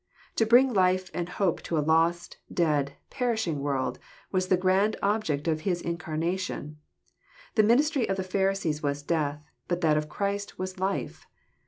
To bring life and hope to a lost, dead, perishing world was the grand object of his incar nation. The ministry of the Pharisees was death, but that of Christ was life.